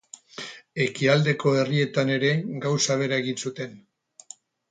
Ekialdeko herrietan ere gauza bera egin zuten.